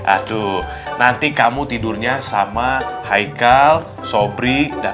aduh nanti kamu tidurnya sama haikal sobri